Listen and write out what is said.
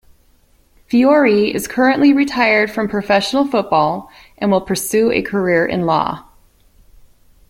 Fiori is currently retired from professional football and will pursue a career in law.